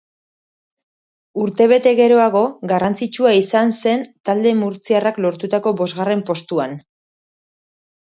Urtebete geroago, garrantzitsua izan zen talde murtziarrak lortutako bosgarren postuan.